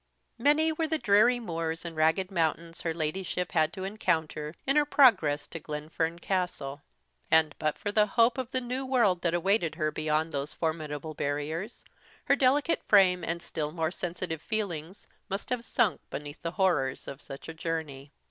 MANY were the dreary muirs and rugged mountains her Ladyship had to encounter in her progress to Glenfern Castle; and, but for the hope of the new world that awaited her beyond those formidable barriers, her delicate frame and still more sensitive feelings must have sunk beneath the horrors of such a journey.